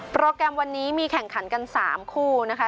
แกรมวันนี้มีแข่งขันกัน๓คู่นะคะ